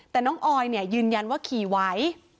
แต่น้องออยเนี่ยยืนยันว่าขี่ไว